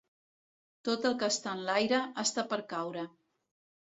Tot el que està enlaire, està per caure.